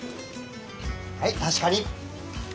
はい確かに。